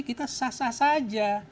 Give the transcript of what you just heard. kita sah sah saja